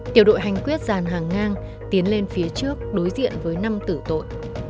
tiểu đội hành quyết dàn hàng ngang tiến lên phía trước đối diện với năm tử tội